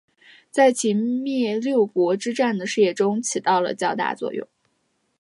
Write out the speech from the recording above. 在秦灭六国之战的事业中起了较大作用。